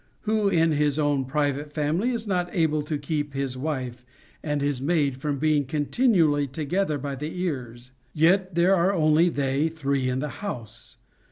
503 who in his own private family is not able to keep his wife and his maid from being continually together by the ears, and yet there are only they three in the house.